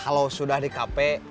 kalau sudah di kp